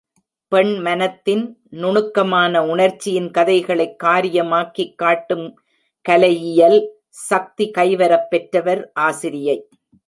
பெண் மனத்தின் நுணுக்கமான உணர்ச்சியின் கதைகளைக் காரியமாக்கிக் காட்டும் கலையியல் சக்தி கைவரப் பெற்றவர் ஆசிரியை.